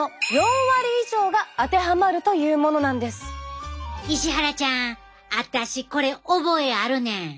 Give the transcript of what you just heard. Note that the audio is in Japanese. しかも石原ちゃんあたしこれ覚えあるねん。